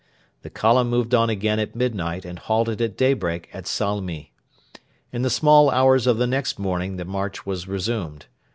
The column moved on again at midnight and halted at daybreak at Salmi. In the small hours of the next morning the march was resumed.